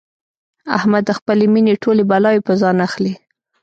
احمد د خپلې مینې ټولې بلاوې په ځان اخلي.